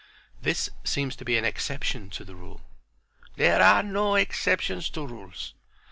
"This seems to be an exception to the rule." "There are no exceptions to rules.